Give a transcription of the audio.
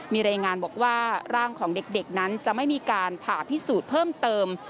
มีรายงานบอกว่าร่างของเด็กนั้นจะไม่มีการผ่าพิสูจน์เพิ่มเติม